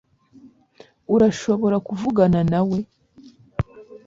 Urashobora kuvugana nawe